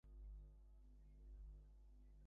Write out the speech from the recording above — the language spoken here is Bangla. পুরন্দর রাগে কাঁপিতে কাঁপিতে ডাকিল, ননি!